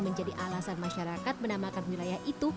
menjadi alasan masyarakat menamakan wilayah itu